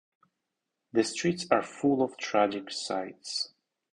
The streets are full of tragic sights.